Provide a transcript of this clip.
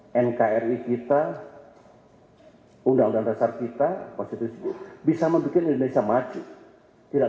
nkri kita undang undang dasar kita konstitusi bisa membuat indonesia maju tidak